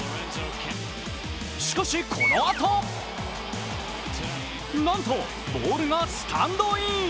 しかしこのあとなんとボールがスタンドイン！